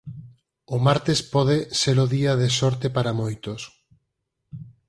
O martes pode se-lo día de sorte para moitos.